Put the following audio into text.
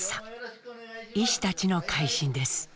医師たちの回診です。